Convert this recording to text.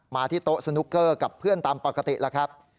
ที่โต๊ะสนุกเกอร์กับเพื่อนตามปกติแล้วครับ